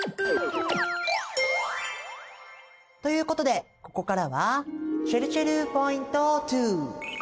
ということでここからはちぇるちぇるポイント２！